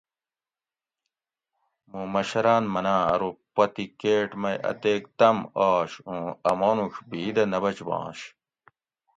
مُوں مشراٞن مناٞں ارو پتی کیٹ مئ اتیک تم آش اُوں اٞ مانُوڄ بھِیدہ نہ بچبانش